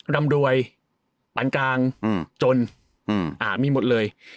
รำรวยปานกลางจนมีหมดเลย